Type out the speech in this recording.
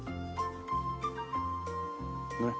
ねっ。